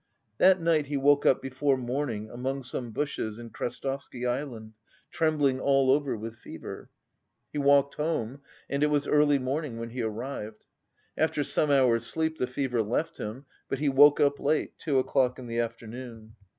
That night he woke up before morning among some bushes in Krestovsky Island, trembling all over with fever; he walked home, and it was early morning when he arrived. After some hours' sleep the fever left him, but he woke up late, two o'clock in the afternoon.